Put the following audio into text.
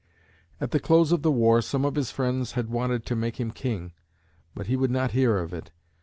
At the close of the war, some of his friends had wanted to make him king, but he would not hear of it.